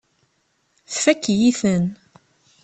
Tfakk-iyi-ten.